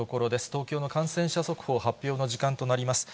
東京の感染者速報発表の時間となります。